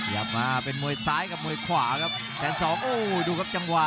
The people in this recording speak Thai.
กลับมาเป็นมวยซ้ายกับมวยขวาครับแสนสองโอ้ดูครับจังหวะ